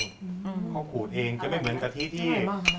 เพราะขูดเองจะไม่เหมือนกะทิที่